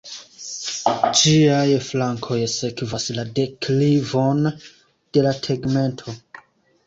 Ĝiaj flankoj sekvas la deklivon de la tegmento.